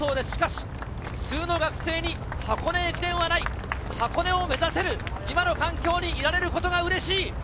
しかし普通の学生に箱根駅伝はない、箱根を目指せる今の環境にいられることが嬉しい。